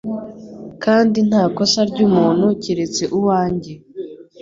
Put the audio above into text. Kandi nta kosa ry'umuntu keretse uwanjye